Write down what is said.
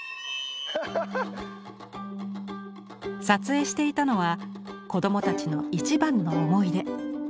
撮影していたのは子どもたちの「一番の思い出」。